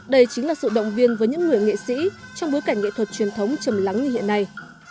đây chính là sự động viên với những người nghệ sĩ trong bối cảnh nghệ thuật truyền thống chầm lắng như hiện nay